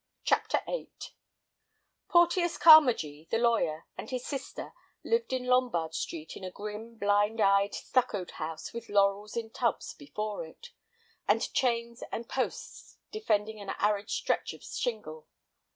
CHAPTER VIII Porteus Carmagee, the lawyer, and his sister lived in Lombard Street, in a grim, blind eyed, stuccoed house with laurels in tubs before it, and chains and posts defending an arid stretch of shingle.